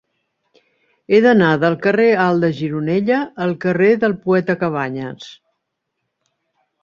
He d'anar del carrer Alt de Gironella al carrer del Poeta Cabanyes.